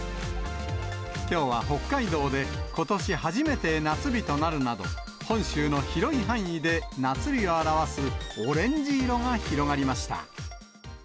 きょうは北海道でことし初めて夏日となるなど、本州の広い範囲で、夏日を表すオレンジ色が広がりました。